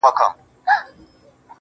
دې لېوني ماحول کي ووايه؛ پر چا مئين يم.